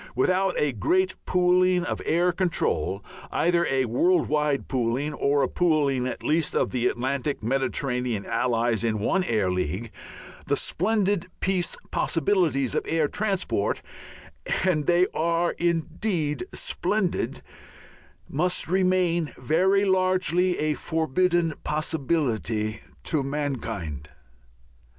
Without a great pooling of air control, either a world wide pooling or a pooling at least of the Atlantic Mediterranean Allies in one Air League, the splendid peace possibilities of air transport and they are indeed splendid must remain very largely a forbidden possibility to mankind.